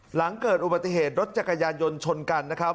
หลังเกิดอุบัติเหตุรถจักรยานยนต์ชนกันนะครับ